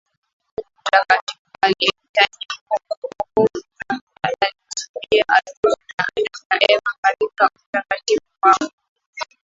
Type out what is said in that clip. Mungu mtakatifu asiyehitaji wokovu na ilikusudiwa itunzwe na Adam na Eva katika utakatifu wao